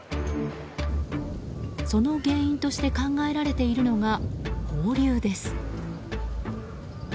その原因として考えられているのが放流です。